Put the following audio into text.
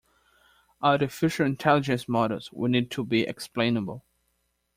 Artificial Intelligence models will need to be explainable.